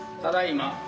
ただいま。